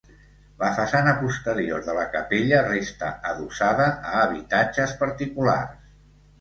La façana posterior de la capella resta adossada a habitatges particulars.